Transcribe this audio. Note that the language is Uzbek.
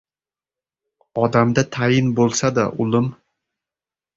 — Odamda tayin bo‘lsa-da, ulim.